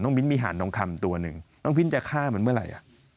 น้องพิษมีฮานนองคำตัวหนึ่งน้องพิษจะฆ่ามันเมื่อไหร่